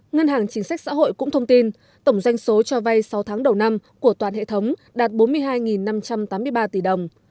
ngân hàng chính sách xã hội cũng thông tin tổng doanh số cho vay sáu tháng đầu năm của toàn hệ thống đạt bốn mươi hai năm trăm tám mươi ba tỷ đồng